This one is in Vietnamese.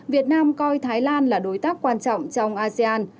việt nam coi thái lan là đối tác quan trọng trong asean